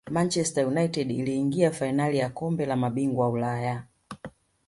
manchester united iliingia fainali ya kombe la mabingwa ulaya